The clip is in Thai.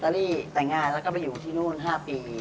อรี่แต่งงานแล้วก็ไปอยู่ที่นู่น๕ปี